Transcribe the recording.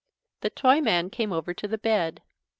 The Toyman came over to the bed.